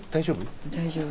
大丈夫？